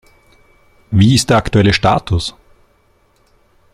Wie ist der aktuelle Status?